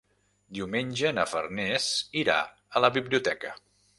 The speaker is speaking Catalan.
Diumenge na Farners irà a la biblioteca.